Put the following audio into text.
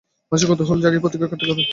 মানুষের কৌতূহল জাগিয়ে পত্রিকার কাটতি বাড়ান।